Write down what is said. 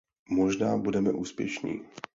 Možná budeme úspěšní.